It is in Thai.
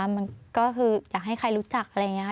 มันก็คืออยากให้ใครรู้จักอะไรอย่างนี้ค่ะ